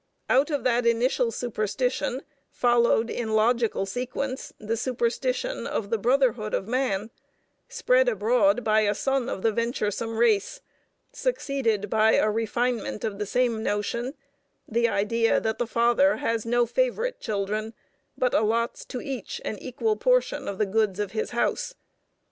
Out of that initial superstition followed, in logical sequence, the superstition of the Brotherhood of Man, spread abroad by a son of the venturesome race; succeeded by a refinement of the same notion, the idea that the Father has no favorite children, but allots to each an equal portion of the goods of His house.